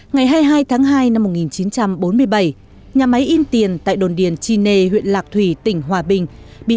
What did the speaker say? ngày hai mươi hai tháng hai năm một nghìn chín trăm bốn mươi bảy nhà máy in tiền tại đồn điền chi nê huyện lạc thủy tỉnh hòa bình